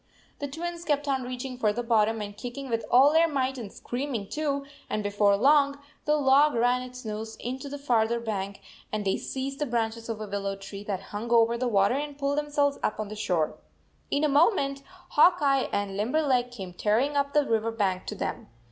The Twins kept on reaching for the bottom and kicking with all their might and scream ing, too, and before long the log ran its nose into the farther bank and they seized the branches of a willow tree that hung over the water and pulled themselves up on the shore. In a moment Hawk Eye and Limberleg came tearing up the river bank to them.